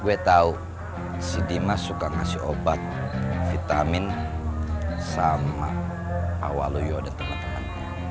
gue tahu si dimas suka ngasih obat vitamin sama awal yo dan teman teman